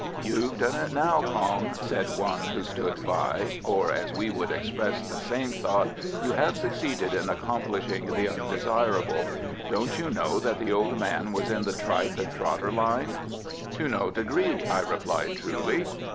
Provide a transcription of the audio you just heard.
"You've done it now, Kong," said one who stood by (or, as we would express the same thought, "You have succeeded in accomplishing the undesirable"); "don't you know that the old man was in the tripe and trotter line?" "To no degree," I replied truly.